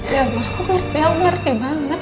ya mah aku ngerti aku ngerti banget